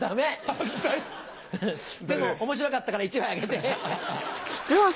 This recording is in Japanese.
犯罪！でも面白かったから１枚あげて。